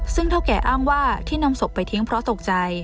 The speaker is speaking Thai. ซึ่งเท่าแก่อ้างว่าที่นำศพไปทิ้งเพราะตกใจ